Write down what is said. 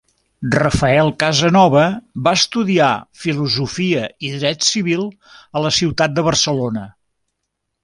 Rafael Casanova va estudiar Filosofia i Dret Civil a la ciutat de Barcelona.